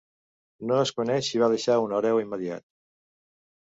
No es coneix si va deixar un hereu immediat.